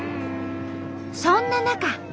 そんな中。